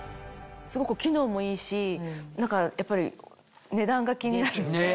すごく機能もいいしやっぱり値段が気になる。